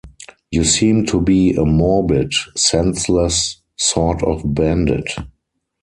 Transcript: You seem to be a morbid, senseless sort of bandit.